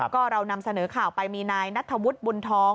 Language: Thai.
ก็เรานำเสนอข่าวไปมีนายนัทธวุฒิบุญทอง